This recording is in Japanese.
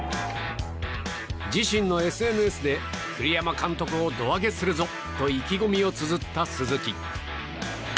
自身のＳＮＳで栗山監督を胴上げするぞと意気込みをつづった鈴木。